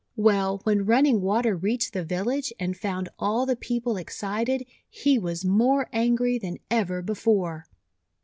Well, when Running Water reached the vil lage, and found all the people excited, he was more angry than ever before.